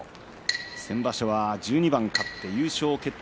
先場所は１２番勝って優勝決定